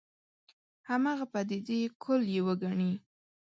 هماغه پدیدې کُل یې وګڼي.